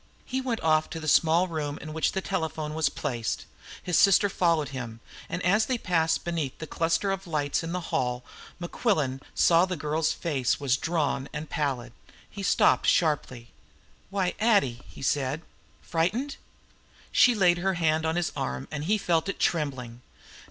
He went off to the small room in which the telephone was placed. His sister followed him, and as they passed close beneath the cluster of lights in the hall Mequillen saw that the girl's face was drawn and pallid. He stopped sharply. "Why, Addie," he said; "frightened?" She laid her hand on his arm, and he felt it trembling.